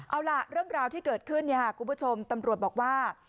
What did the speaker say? เอาล่ะเรื่องราวที่เกิดขึ้นคุณผู้ชมตำรวจบอกว่า